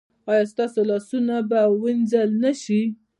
ایا ستاسو لاسونه به وینځل نه شي؟